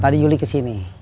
tadi yuli kesini